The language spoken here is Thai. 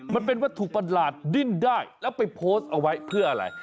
มันเป็นวัตถุประหลาดดิ้นได้แล้วไปโพสต์เอาไว้เพื่ออะไร